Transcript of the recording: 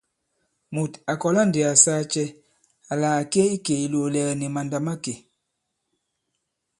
Mùt à kɔ̀la ndī à saa cɛ àla à ke i ikè ìlòòlɛ̀gɛ̀ nì màndà̂makè ?